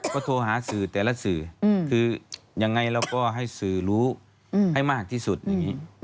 ก็โทรหาสื่อแต่ละสื่อคือยังไงเราก็ให้สื่อรู้ให้มากที่สุดอย่างนี้